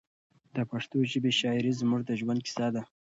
د پښتو ژبې شاعري زموږ د ژوند کیسه ده.